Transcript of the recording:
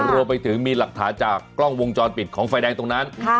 รวมไปถึงมีหลักฐานจากกล้องวงจรปิดของไฟแดงตรงนั้น